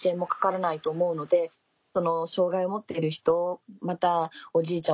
障がいを持っている人またおじいちゃん